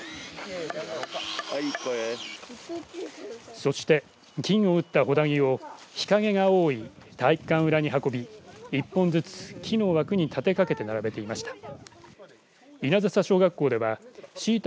そして菌を打ったほだ木を日陰が多い体育館裏に運び１本ずつ、木の枠に立てかけて並べていました。